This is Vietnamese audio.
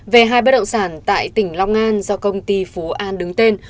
về hai bất động sản tại tỉnh long an do công ty phú an đứng tên